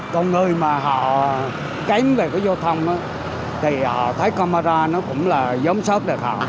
còn người mà họ kém về cái giao thông thì họ thấy camera nó cũng là giống xót được họ